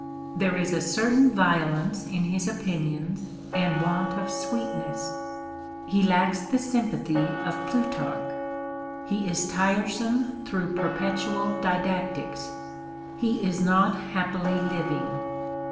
There is a certain violence in his opinions, and want of sweetness. He lacks the sympathy of Plutarch. He is tiresome through perpetual didac tics. He is not happily living.